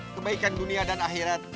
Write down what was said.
kebaikan dunia dan akhirat